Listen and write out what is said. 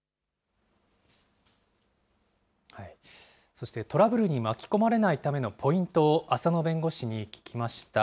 そして、トラブルに巻き込まれないためのポイントを、浅野弁護士に聞きました。